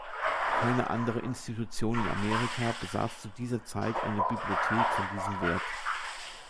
Keine andere Institution in Amerika besaß zu dieser Zeit eine Bibliothek von diesem Wert.